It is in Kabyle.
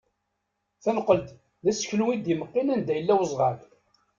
Tanqelt d aseklu i d-imeqqin anda yella uzɣal.